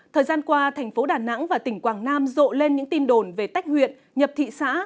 thời gian qua thành phố đà nẵng và tỉnh quảng nam rộ lên những tin đồn về tách huyện nhập thị xã